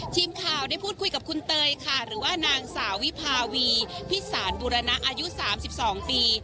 ทีมข่าวได้พูดคุยกับคุณเตยค่ะหรือว่านางสาววิภาวีพิสารบุรณะอายุ๓๒ปี